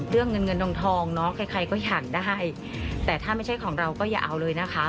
เรื่องเงินเงินทองทองเนอะใครใครก็อยากได้แต่ถ้าไม่ใช่ของเราก็อย่าเอาเลยนะคะ